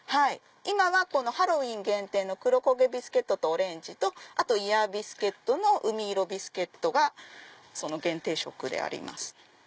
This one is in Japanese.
今はハロウィーン限定の黒焦げビスケットとオレンジとあとイヤービスケットの海色ビスケットが限定色であります。